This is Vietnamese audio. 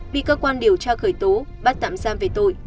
bị cơ quan điều tra khởi tố bắt tạm giam về tội